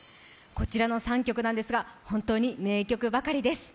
こちらの３曲なんですが、本当に名曲ばかりです。